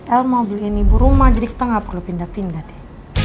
el mau beliin ibu rumah jadi kita gak perlu pindah pindah deh